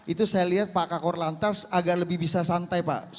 itu saya lihat pak kak khor lantas agak lebih bisa santai pak